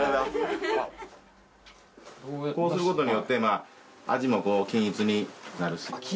こうすることによって味も均一になるし。